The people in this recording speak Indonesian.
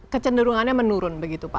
kecenderungannya menurun begitu pak